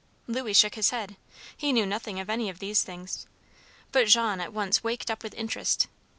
Louis shook his head. He knew nothing of any of these things. But Jean at once waked up with interest.